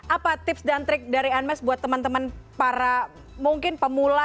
apa tips dan trik dari anmes buat teman teman para mungkin pemula